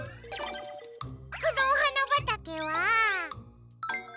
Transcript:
このおはなばたけは。